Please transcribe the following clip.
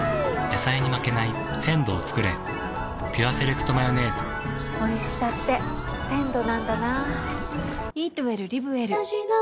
野菜に負けない鮮度をつくれ「ピュアセレクトマヨネーズ」おいしさって鮮度なんだな。